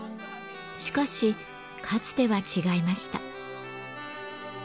しかしかつては違いました。